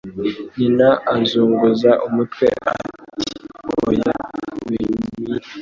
Nyina azunguza umutwe ati: Oya, Benyamini.